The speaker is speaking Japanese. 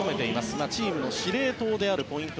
チームの司令塔であるポイント